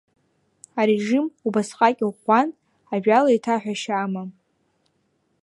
Арежим убасҟак иӷәӷәан, ажәала еиҭаҳәашьа амам.